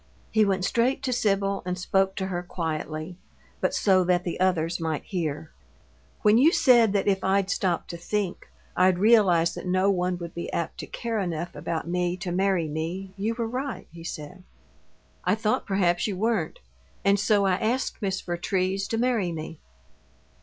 He went straight to Sibyl and spoke to her quietly, but so that the others might hear. "When you said that if I'd stop to think, I'd realize that no one would be apt to care enough about me to marry me, you were right," he said. "I thought perhaps you weren't, and so I asked Miss Vertrees to marry me.